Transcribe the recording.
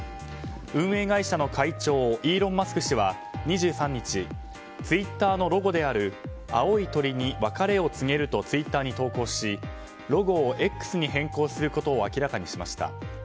運営会社の会長イーロン・マスク氏は２３日、ツイッターのロゴである青い鳥に別れを告げるとツイッターに投稿しロゴを「Ｘ」に変更することを明らかにしました。